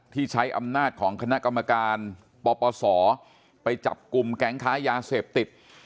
ที่ใช้อำนาจของคณะกรรมการปปศไปจับกลุ่มแก๊งค้ายาเสพติด